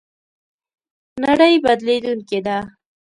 نړۍ بدلېدونکې ده